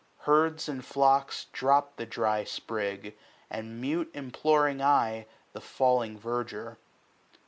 Herds and flocks Drop the dry sprig, and mute imploring eye The falling verdure.